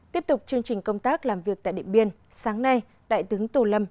tiếp tục chương trình công tác làm việc tại điện biên sáng nay đại tướng tô lâm